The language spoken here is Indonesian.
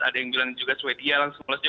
ada yang bilang juga sweden langsung lolos juga